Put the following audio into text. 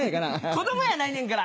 子供やないねんから。